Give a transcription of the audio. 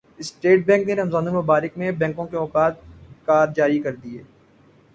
state Bank نے رمضان المبارک میں بینکوں کے اوقات کار جاری کردیے